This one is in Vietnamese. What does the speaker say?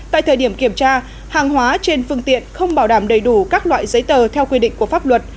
tại thời điểm kiểm tra hàng hóa trên phương tiện không bảo đảm đầy đủ các loại giấy tờ theo quy định của pháp luật